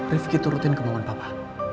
rifki turutin kemauan papa